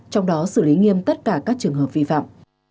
trong đó xử lý nghiêm tất cả các trường hợp vi phạm